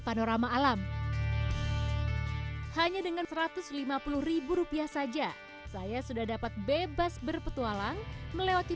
panorama alam hanya dengan satu ratus lima puluh rupiah saja saya sudah dapat bebas berpetualang melewati